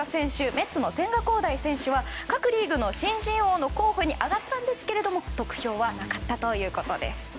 メッツの千賀滉大選手は各リーグの新人王の候補に挙がったんですけれども得票はなかったということです。